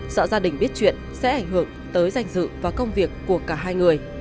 sợ gia đình biết chuyện sẽ ảnh hưởng tới danh dự và công việc của cả hai người